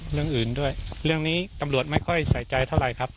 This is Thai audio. เรื่องนี้ตำรวจไม่ค่อยใส่ใจเท่าไหร่ครับ